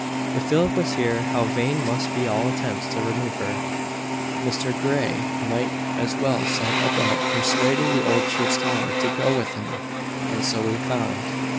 If Philip was here, how vain must be all attempts to remove her! Mr Grey might as well set about persuading the old church tower to go with him: and so he found.